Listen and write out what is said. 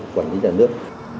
quản lý nhà nước